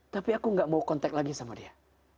tapi aku gak mau kontak lagi sama dia